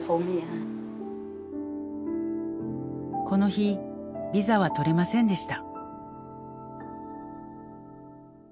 この日ビザは取れませんでした。